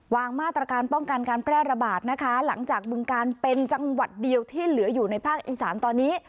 วางมาตรการป้องกันการแพร่ระบาดนะคะหลังจากบึงการเป็นจังหวัดเดียวที่เหลืออยู่ในภาคอีสานตอนนี้